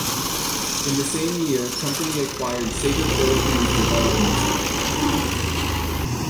In the same year company acquired Sabre Philippines Development Center.